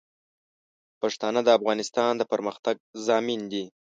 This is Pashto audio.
پښتانه د افغانستان د پرمختګ ضامن دي.